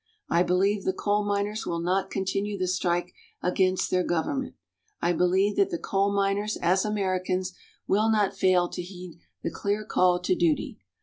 I believe the coal miners will not continue the strike against their government. I believe that the coal miners as Americans will not fail to heed the clear call to duty.